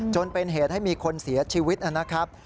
จนเป็นเหตุให้มีคนเสียชีวิตนะครับ